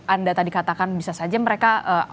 anda tadi katakan bisa saja mereka